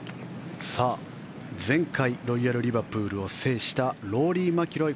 前回、ロイヤル・リバプールを制したローリー・マキロイ